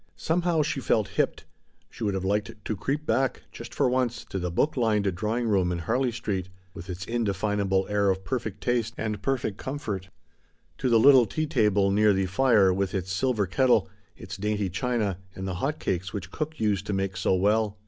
Somehow she felt hipped ; she would have liked to creep back, just for the once, to the book lined drawing room in Harley Street, with its indefinable air of per fect taste and perfect comfort ; the little tea table near the fire, with its silver kettle, its dainty china, the hot cakes which cook used to make so well.